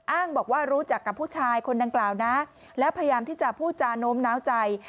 อ้างบอกว่ารู้จักกับผู้ชายคนดังกล่าวนะแล้วพยายามที่จะพูดจาโน้มน้าวใจ